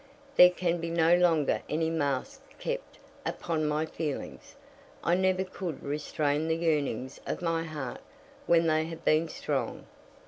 There can be no longer any mask kept upon my feelings. I never could restrain the yearnings of my heart when they have been strong."